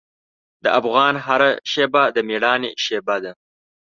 د افغان هره شېبه د میړانې شېبه ده.